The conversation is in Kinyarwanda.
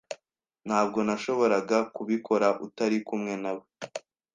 Ntabwo nashoboraga kubikora utari kumwe nawe.